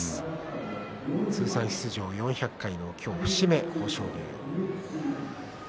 通算出場４００回目の節目、豊昇龍です。